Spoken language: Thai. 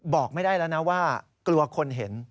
บอกไม่ได้แล้วนะว่ากลัวคนเห็น